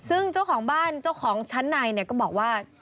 ซึ่งเจ้าของบ้านเจ้าของชั้นในก็บอกว่า